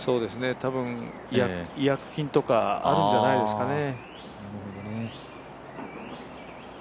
多分、違約金とかあるんじゃないですかね。